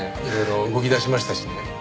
いろいろ動き出しましたしね。